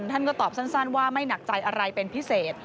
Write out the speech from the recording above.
ท่านก็ตอบสั้นว่าไม่หนักใจอะไรเป็นพิเศษ